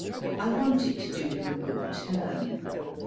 I wanted to do him a good turn.